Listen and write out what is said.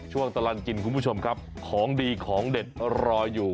ช่วงตลอดกินคุณผู้ชมครับของดีของเด็ดรออยู่